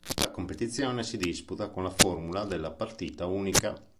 La competizione si disputa con la formula della partita unica.